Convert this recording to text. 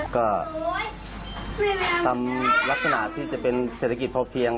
ก็ทำลักษณะที่จะเป็นเศรษฐกิจพอเพียง